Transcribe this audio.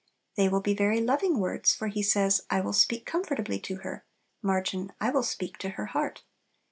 They will be very loving words, for He says, "I will speak comfortably to her" (margin, "I will speak to her heart").